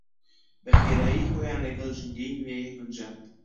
بەخێرایی خۆیان لەگەڵ ژینگەی نوێ گونجاند.